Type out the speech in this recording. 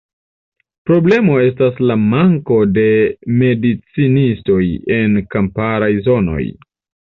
Problemo estas la manko de medicinistoj en kamparaj zonoj.